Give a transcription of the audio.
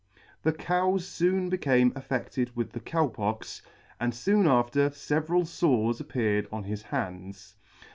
The cows foon beca/ne affe&ed with the Cow Pox, and foon after feveral fores appeared on his hands.